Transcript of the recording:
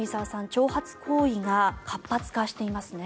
挑発行為が活発化していますね。